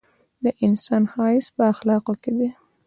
د انسان ښایست په اخلاقو کي دی!